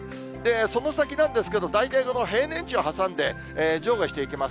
その先なんですけど、大体、平年値を挟んで、上下していきます。